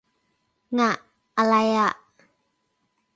ง่ะ อะไรอ่ะ